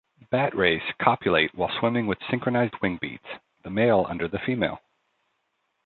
Bat rays copulate while swimming with synchronized wingbeats-the male under the female.